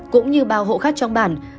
cũng như bao hộ khách trong bàn